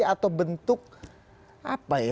atau bentuk apa ya